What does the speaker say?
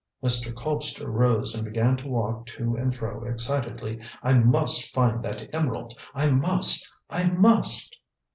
Mr. Colpster rose and began to walk to and fro excitedly. "I must find that emerald; I must; I must!"